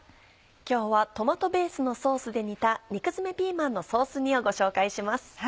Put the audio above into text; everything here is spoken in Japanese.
今日はトマトベースのソースで煮た「肉詰めピーマンのソース煮」をご紹介します。